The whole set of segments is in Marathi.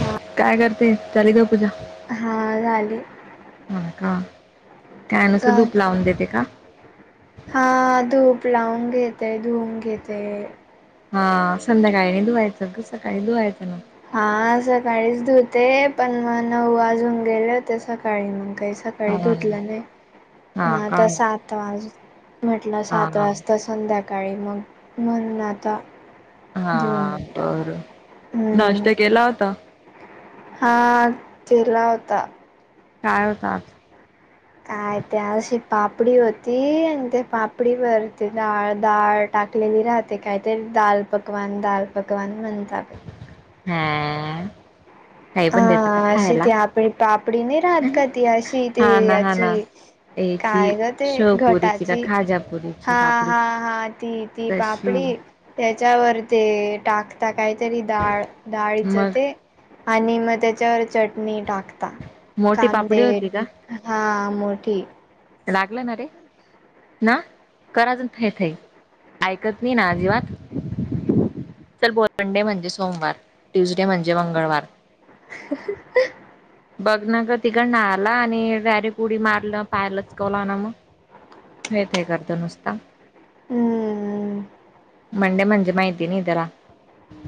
हा काय करते झाली का पूजा हा झाले होय का काय का नुसतं दूध लावून देते का हा धूप लावून घेते धुवून घेते हा संध्याकाळी नाही धुवायचं क सकाळी धुवायचं ना. हा सकाळीच धुते पण मग नऊ वाजून गेले होते सकाळी मग काही स हा सकाळी धुतले नाही मग हा आता काय सात त आज म्हटलं हा सात वाजता संध्याकाळी मग म्हणून आता हा धुवून हा टाकू बरं हम्म नाष्टा केला होता हा केला होता काय होता आज काय ते अशी पापडी होती आणि त्या पापडीवर डाळ दाट टाकलेली राहते कायतरी दाल पकवान दाल पकवान म्हणतात हा काही हा पण देता का अशी खायला ते आपली पापडी नाही राहात का ती अशी ते हा ना हा याची ना याची काय ग ते शेवपुरीची का घटाची खाजापुरीची हा पापडी हा हा ती ती तशी पापडी त्याच्यावर ते टाकता काहीतरी डाळ -डाळीच मग ते आणि मग त्याच्यावर चटणी टाक मोठी पापडी कांदे होती का हा मोठी लागलं ना रे? ना कराजून थई- थई ऐकत नाही ना अजिबात [inaudible] चल बोल मंडे म्हणजे सोमवार ट्युसडे म्हणजे मंगळवार [inaudible] बघ ना ग तिकडन आला आणि डायरेक्ट ऊडी मारलं पाय लचकवला ना मग हे ते करतो नुसता हम्म्म मंडे म्हणजे माहिती नाही तेला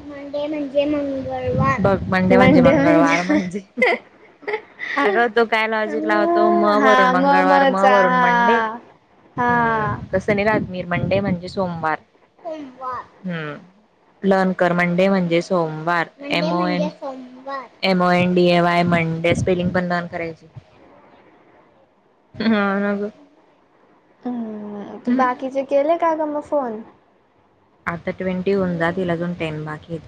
मंडे म्हणजे मंगळवार बघ मंडे म्हणजे मंगळवार म्हणजे [inaudible] अगं तो काय लॉजिक लावतो म हा वरून मंगळवार म ममचा वरून मंडे हा हा तसनी राजमीर मंडे म्हणजे सोमवार, सोमवार हम्म लर्नकर मंडे म्हणजे सोमवार [inaudible] एमओ एन वार M O N D A Y Monday spelling पण लर्न करायची हा नग [inaudible] हम्म तू बाकीचे केले का ग मग फोन? आता ट्वेन्टी होऊन जातील अजून टेन बाकीेत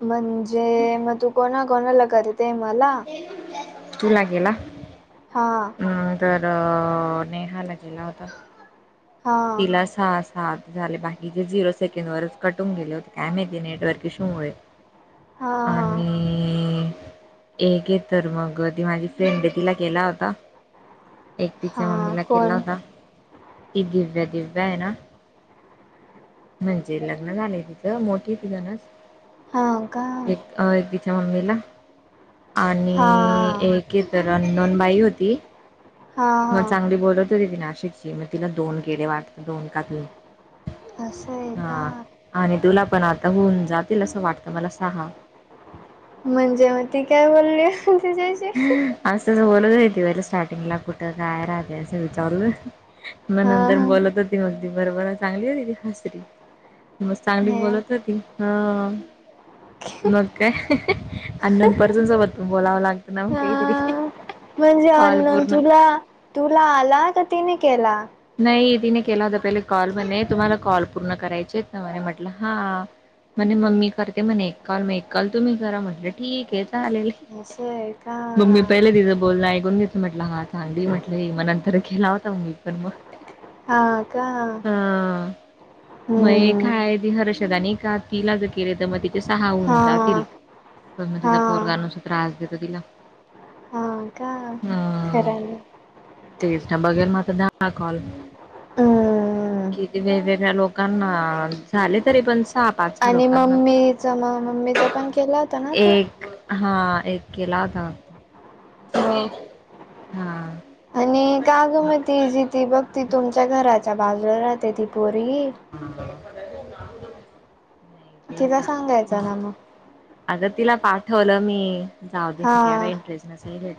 म्हणजे मग तू कोणा- कोणाला करते मला? तूला गेला [inaudible] हा अ तर... नेहाला केला होता हा. तिला [unintelligible] स सात झाले बाकीचे झिरो सेकेंड वरच कट होऊन गेले होते काय माहित नेटवर्क ईशूमुळे हा हा. आणि... [inaudible] एके तर मग ती माझी फ्रेंड [inaudible] तिला केला होता एक तिच्या हा मम्मीला केला कोण? होता ती दिव्या- दिव्या आहे ना म्हणजे लग्न झालंय तिथं मोठी ति झ नास [unintelligible] हाव का? अ एक तिच्या मम्मीला हा. आणि एके तर अनोनन बाई होती हा मग हा. चांगली बोलत होती ती नाशिकची मग तिला दोन केले वाट्टत दोन का तीन असं आहे का? हा आणि तुला पण आता होऊन जातील असं वाटतं मला सहा म्हणजे मग ती काय बोलली तूच्याशी [inaudible] असच बोलत होती ती पहिला स्टार्टिंगला कुठं काय राहते असं विचारूनच [inaudible] मग हा नंतर हा. बोलत होती मग ती बराबरा चांगली होती ती हसरी मस्त चांगली हे बोलत होती हो [inaudible] मग काय [inaudible] अनोन पर्सन सोबत बोलावं लागत. हा म्हणजे कॉल अनोन पूर्ण तुला ला तुला आला का तिने केला? नाही तिने केला होता पहिले कॉल म्हणे तुम्हाला कॉल पूर्ण करायचे ना म्हणे म्हटलं हा. म्हणे म मी करते म्हणे एक काल मग एक काल तुम्ही करा म्हटलं ठीक आहे चालेल. असय मग मी पहिले तिज बोलन ऐकून घेत- म्हटलं हा चांगली म्हटलं मग नंतर केला होता मग मी पण मग [inaudible] हा का? हा मग हम्म. काय ती हर्षदा आणि एक काकीला जर केले तर मग ती सहा होऊन हा. जातील पण मग हा. तिचा पोरग नुसता त्रास देतो तिला हा का खरां म [inaudible] टट बघेल म [unintelligible] [inaudible] दाहा काॅल हम्म किती वेगवेगळ्या लोक कारण झाले तरी पण सहा पाच सहा आणि लोकांना. मम्मीचा म मम्मीचा पण केला होता ना तो हां एक कला व हा आणि का गमती जि ती बघ त तुमच्या घराच्या बाजूला राहते ती पोरी ह तिला सांगायचा ना मग अगं तिला पाठवलं मी जाऊ दे हा कॅड इंटरेस्ट नल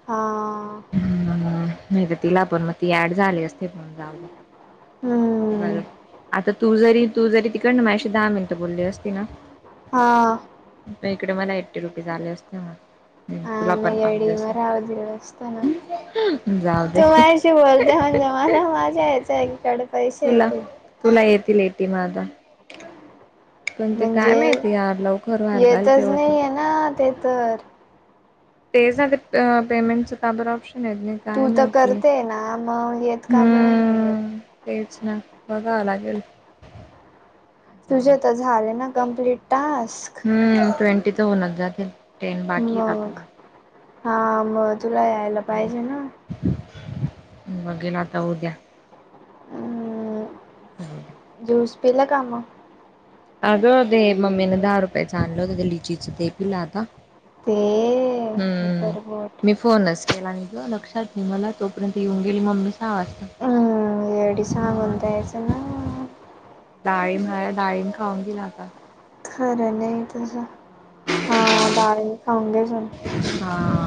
हा ह नाही तर तिला पण मग ती ऍड झाली असते पण जावले हम्म बरो आता तू जरी तू जरी तिकड ना माझशी दहा मिनटं बोलली असती ना हा प इकडे मला एट्टी रुपीज आले असते मग हम्म हा तुला पण मग अडी आले म असेल राह दि असताना जाऊ दे तू माझशी बोलते म्हणजे मला माझा यायचा एककडे पैसे तुला येतील तुला येतील एटी माध म्हणजे माहिती यार लवकर व्हायला पाहिजे ते येतच होतं नाहीय ना ते तर तेचमध्ये पेमेंटचं ताबर ऑप्शन आहे नाही काय तू तर माती करते ना मग येत का ब नाही वर हम्म तेच ना बघावं लागेल जाऊ दे. तुझे तर झाले ना कमप्लीट टास्क हम्म ट्वेंटी तर होनच जातील बाकी आहेत आता मग हा मग तुला यायला पाहिजे ना बघेला आता होद्या ह जाऊ दे. ज्यूस पिल का आम अग ते मम्मीने दहा रुपयेच आणलते ते लिचीचे तेख लाता ते हम्म परबोट मी फोनच केला आणि तो लक्षात नाही मला तोपर्यंत येऊन गेली मग म सहा वाजता ह एवढ साग उतायस ना डाळी म्ह डाळीम खाऊन गेला आता खरं नाही तस हा डाळी खाऊ घच अच्छा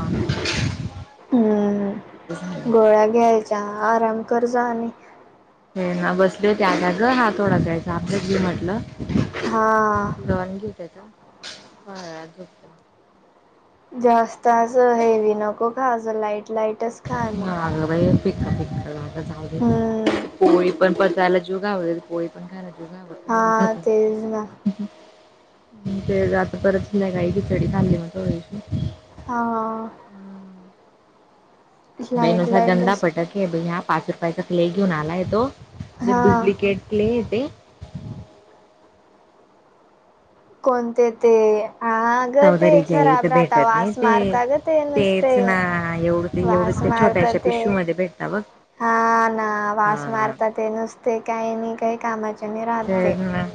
ते झालं. गोळ्या घ्यायच्या आराम कर जा आणि हे ना बसले त्याला ज हात ओडाख्यायचा आपलं जी म्हटलं हा हॅलो वनीेत का ह अ उपत जास्त असं हेवी नको कां लाईट लाईट हगई फिक फिक लाग हम्म जा पण पचायला जुगाव पोळी पण कराय हा तेज ना ते आता परत हिला गई खिचडी ली मग थोडी्याशी हा लाईट बेनसा गंदा लाईटच पटक ब हा पाच रुपयाचा क्ले घेऊन आलाय तो म्हणे हा डुप्लिकेट क्ले आहे ते कोणते ते आ ग ते चौधरीच्या खराब इथं राहता भेटत नाही वास ते मारता ग ते नुसते तेच ना एवढं ते एवढी वास ते मारता छोट्याशा ते पिशू मध्ये भेटत बघ हा ना वास हा मारत ते नुसते काही नाही काही कामाचे स म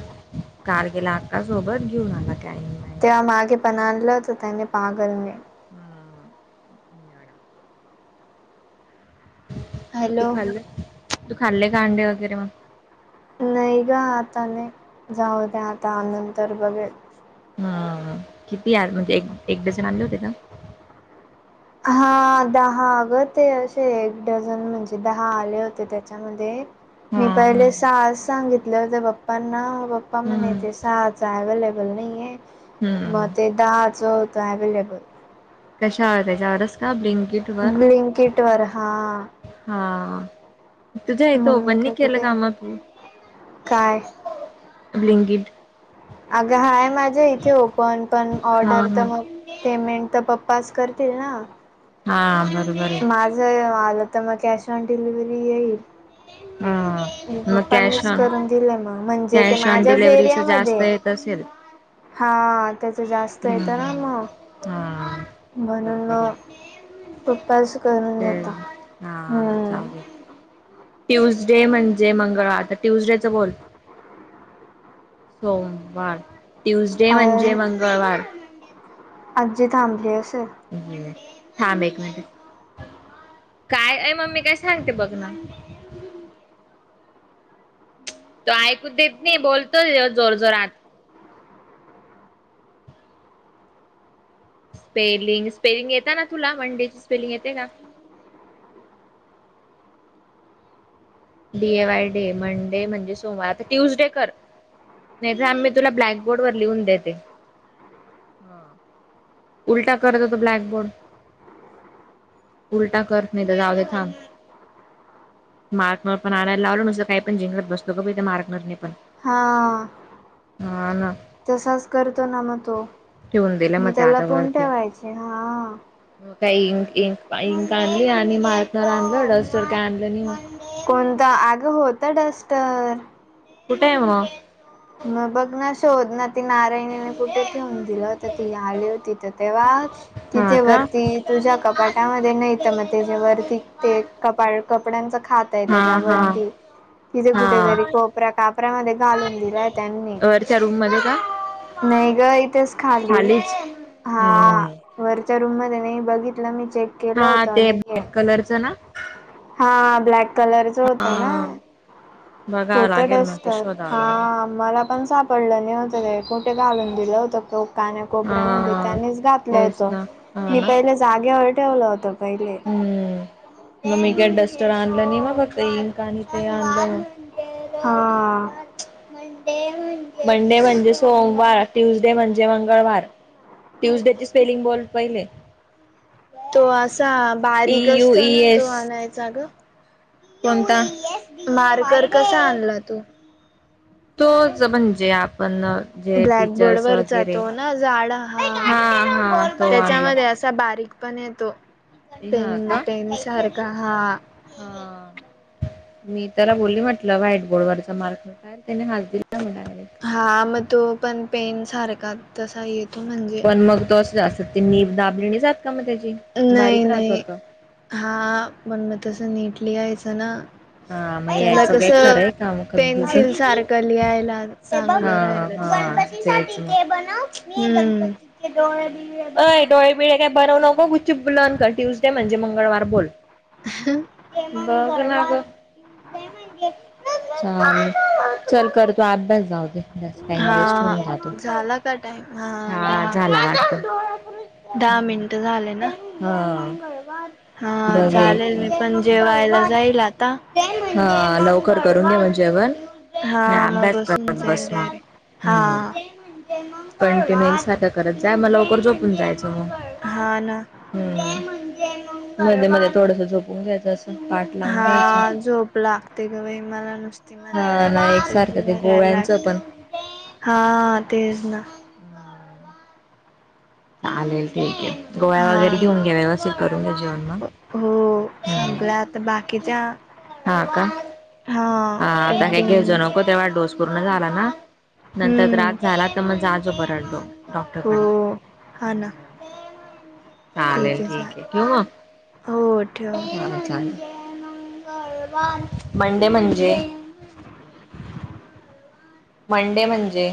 काल केेला अक्का सोबत घेऊन आला का तेव्हा मागे पण आणलं तर त्यांनी पा करणे. हम्. तू हॅलो खाल्लं तू खाल्ले कांडे वगैरे मग. नाही ग आताने जाऊ द्या आता नंतर बघेल. हा किती या म्हणजे एक एक डझन आणले होते ना. हा दहा अगं ते असे एक डझन म्हणजे दहा आले होते त्याच्यामध्ये. हम्म मी पहिले हम्म सज सांगितले होते पप्पांना पप्पा म्हणे हम्म येते सज. अवेलेबल नाही आहे हम्म म ते दहाचं होतं अवे्लेबल. कशावर त्याच्यावरच का ब्लिंकिट. वर ब्लिंकेट वर हा. हा. तुझ्या यथं ओपन मम्मी नाही केलं कुठे का मग काय बिल्किट. अगं हाय माझ्या हिचे ओपन पण हा ऑर्डर हा पेमेंट तर पप्पाच करतील ना. हा बरोबर. माझं आलं तर मग कॅश ऑन डिलिव्हरी येईल. हम्म पप्पांनीच करून दिलं मग म्हणजे ते कॅश ऑन माझ्याच डिलेव्हरीच एरिया जास्त मध्ये. येत असेल हा त्याच जास्त येत ना हम्म मग. हा बरोबर आहे. उपपास करून ते येतता. ट्यूसडे म्हणजे मंगळवार ट्यूजडेचं बोल. सोमवार ट्युजडे म्हणजे मंगळवार. आज जी थांबली असेल. थांब एक मिनिट. काय अ मम्मी काय सांगते बघ ना. तो ऐकू देत नाही बोलतोय जोरजोरात. स्पेलिंग स्पेलिंग येत ना तुला वन डे ची स्पेलिंग येते का. डीए वाय डे मंडे म्हणजे सोमवार तर ट्युजडे कर मी तुला ब्लॅकबोर्वर लिहून देते. हा उलटा करत होतो ब्लॅकबोर्ड उलटा करत नाही तर जाऊ दे थांब. मार्कवर पण आणायला लावल ना नसं काही पण जिंकत बसतो ग त्या मारकनरने पण. हा. हा ना. तसाच करतो ना मग तो ठेवून दिलं मग मी ते त्याला पण ठेवायचे हा. काय इ इंका आणली आणि मारतणार आनल डस्टर काही आणल नाही. कोणत आग होत डस्टर. कुठे आहे म. मग बघ ना शोध ना. त नारायणीने कुठे ठेऊून दिलं होत ती आली होती तर तेव्हाच. हा तिथे का वरती तुझ्या कपाटामध्ये नाही तर मग त जे वरती ते. कपाळ कपड्यांच खात आहे हा हा त्याच्यावरती तिथे कुठेतरी हा बघ. कोपरा कापरामध्ये घालून दिलायेत. वरच्या रूम मध्ये का. नाही ग इथेच खाली खालीच हा. हम्म. वरच्या रूम मध्ये नाही बघितलं मी चेक केलं हा होत ते अनेक एक ब्लॅक कलरच ना हा ब्लॅक कलरच होत हा. ना? बघावं होत लागेल मग ते डस्टर शोधावं हा. लागेल. मला पण सापडलं नाही होतं ते कुठे घालून दिलं होतं. काण्याकोपऱ्यामध्ये हा त्यांनीच घातलं होत तेच ना हा मी ना. पहिले जागेवर ठेवलं होत पहिले. हम्म मग म का डस्टर आ आणला नाही मग फत इन काणी ते आणला हां मंडे म्हणजे सोमवार ट्युजडे म्हणजे मंगळवार ट्यूजडेची स्पेलिंग बोल पहिले. तो असा टी बारीक यू असतो ई ना तो एस आणायचा ग! कोणता? मारकर कसा आणला तो? तोच म्हणजे आपण जे ब्लॅकबोर्ड टीचर्स वर वगैरे जातो ना झाड हा हा तो आणला त्याच्यामध्ये अस अस बारीक पण येतो हा पेन का पेनसारखा हा हा मी त्याला बोलली म्हटलं व्हाईट बोर्डवररचा मार्क म्हतय त्याने हस दि हा मग तो पण पेन सारखा तसा येतो म्हणजे पण मग तस असत ते मी दाबलेणे जात का मग त्याचे नाही नाही हा म्हण म तसं नीटली यायचं ना. हा मग त्याला यायचं कस काय खरंय का मग कद्दूच हा पेन्सिल सारखल यायला चांगलं राहिल असत. बनव मी हम्म गणपती डोळ अय डोळेबिळे काय बरवू नको गुच्प लन कर ट्यूजडे म्हणजे मंगळवार बोल. बग ना ग! चल कर तू अभ्यास जाऊ दे. जा टाईम वेस्ट होऊन हा जातो झाला का टाइम हा दहा झाला असत. दहा मिनट झाले ना? हा हा चालेल बघेल. मी पण जेवायला जाईल आता. हा लवकर करून घे म्ह जेवण. हा नाही मग अभ्यास बसून करत बस जाईल म डायरेक्ट हा हम्म. पण क म सारखं करत जाय मला लवकर झोपून जायचं मग. हां ना? हम्म मंद मध्ये थोडस झोपून घ्यायचं असं पाठ लावून हा घ्यायचं. झोप लागते ग बाई मला नुसत मध्ये हा मध्ये ना एकसारखं ते त्यांचीवरारयला गोळ्यांचं लागते पण हा तेच ना चालेल ठीक आहे गोव्या वगैरे हा घेऊन घ्या व्यवस्थित करून घ्या जेवण म हो संपलाता बाकीच्या हा का? हा एक आता हे घेच दोन नको तेव्हा डोस पूर्ण झाला ना नंतरात. हम्म झाला तर म आजोरडलो हो डॉक्टरकडे हा ना चालेल ठीक आहे ठेव हो ठेव. चालेल. बंडे म्हणजे मंडे म्हणजे